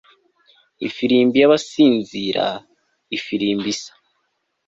Ifirimbi yabasinzira ifirimbi isa